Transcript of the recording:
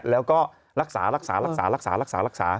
แล้วก็รักษารักษารักษารักษารักษารักษารักษา